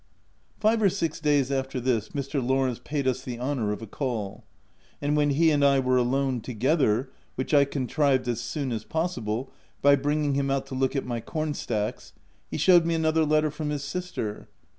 Five or six days after this, Mr. Lawrence paid us the honour of a call ; and when he and I were alone together — which I contrived as soon as possible, by bringing him out to look at my cornstacks— he showed me another letter from his sister.